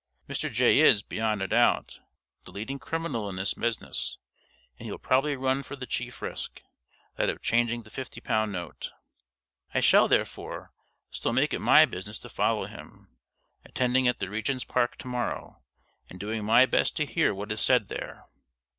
Mr. Jay is, beyond a doubt, the leading criminal in this business, and he will probably run the chief risk that of changing the fifty pound note. I shall, therefore, still make it my business to follow him attending at the Regent's Park to morrow, and doing my best to hear what is said there.